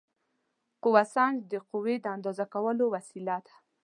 قوه سنج د قوې د اندازه کولو وسیله ده.